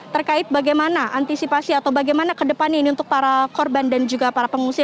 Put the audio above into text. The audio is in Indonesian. terkait bagaimana antisipasi atau bagaimana ke depannya ini untuk para korban dan juga para pengungsi